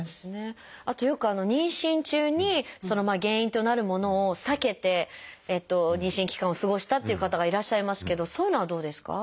あとよく妊娠中に原因となるものを避けて妊娠期間を過ごしたっていう方がいらっしゃいますけどそういうのはどうですか？